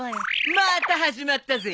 まーた始まったぜ。